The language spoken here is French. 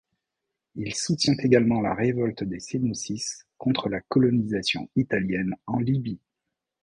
Il soutient également la révolte des Senoussis contre la colonisation italienne en Libye.